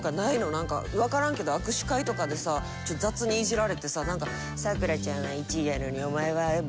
なんかわからんけど握手会とかでさちょっと雑にイジられてさ「咲良ちゃんは１位やのにお前はベベやな。